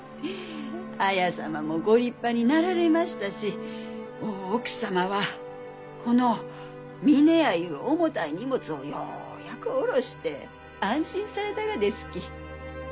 綾様もご立派になられましたし大奥様はこの峰屋ゆう重たい荷物をようやく下ろして安心されたがですき。